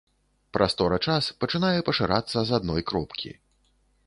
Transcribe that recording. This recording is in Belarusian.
Прастора-час пачынае пашырацца з адной кропкі.